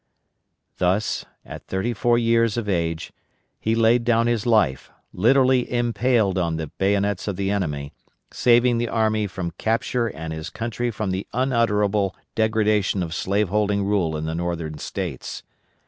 "_ Thus, at thirty four years of age, he laid down his life, literally impaled on the bayonets of the enemy, saving the army from capture and his country from the unutterable degradation of slave holding rule in the Northern States.